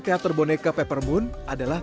teater boneka peppermoon adalah